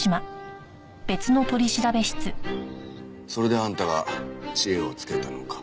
それであんたが知恵をつけたのか。